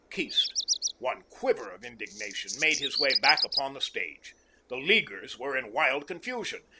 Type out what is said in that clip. Keast, one quiver of indignation, made his way back upon the stage. The Leaguers were in wild confusion.